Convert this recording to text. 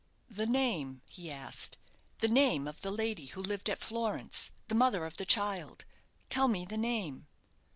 "The name?" he asked; "the name of the lady who lived at Florence, the mother of the child? Tell me the name!"